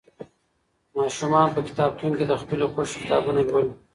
ماشومان په کتابتونونو کې د خپلې خوښې کتابونه لولي.